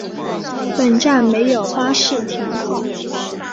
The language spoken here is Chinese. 本站没有巴士停靠。